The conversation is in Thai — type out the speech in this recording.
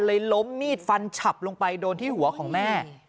ล้มมีดฟันฉับลงไปโดนที่หัวของแม่